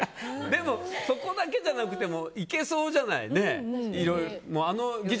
でも、そこだけじゃなくてもいけそうじゃない。